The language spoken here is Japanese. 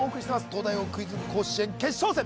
東大王クイズ甲子園決勝戦